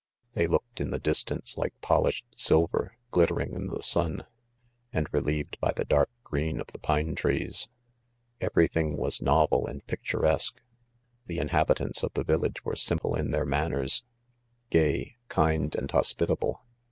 They looked in the distance like polished silver, glittering in the sun, and relieved by the dark green of the pine trees. 1 Every thing was novel and picturesque. — The inhabitants of the village were simple in their manners:]: gay, kind and hospitable.